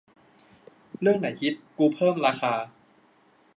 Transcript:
เรื่องไหนฮิตกูเพิ่มราคา